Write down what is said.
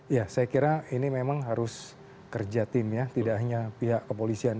ya saya kira ini memang harus kerja tim ya tidak hanya pihak kepolisian